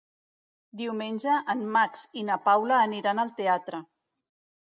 Diumenge en Max i na Paula aniran al teatre.